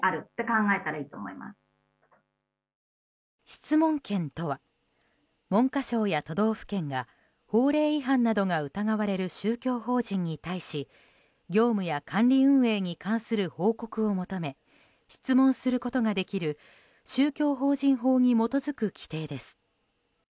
質問権とは文科省や都道府県が法令違反などが疑われる宗教法人に対し業務や管理運営に関する報告を求め質問することができる宗教法人法に基づく規定です。